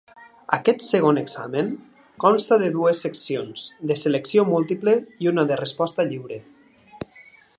Aquest segon examen consta de dues seccions de selecció múltiple i una de resposta lliure.